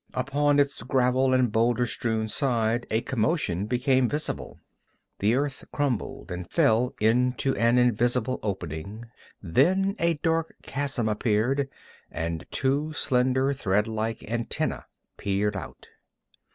Upon its gravel and boulder strewn side a commotion became visible. The earth crumbled, and fell into an invisible opening, then a dark chasm appeared, and two slender, threadlike antennæ peered out.